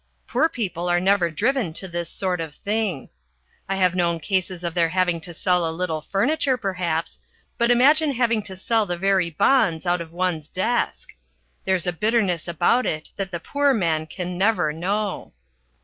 Poor people are never driven to this sort of thing. I have known cases of their having to sell a little furniture, perhaps, but imagine having to sell the very bonds out of one's desk. There's a bitterness about it that the poor man can never know.